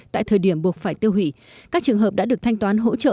tại thời điểm buộc phải tiêu hủy các trường hợp đã được thanh toán hỗ trợ